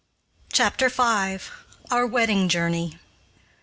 CHAPTER V. OUR WEDDING JOURNEY.